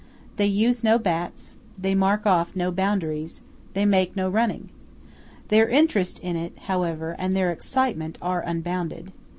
They use no bats; they mark off no boundaries; they make no running. Their interest in it, however, and their excitement are unbounded.